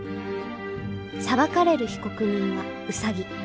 裁かれる被告人はウサギ。